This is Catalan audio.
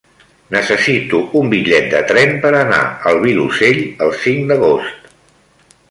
Necessito un bitllet de tren per anar al Vilosell el cinc d'agost.